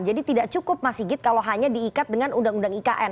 jadi tidak cukup mas higit kalau hanya diikat dengan undang undang ikn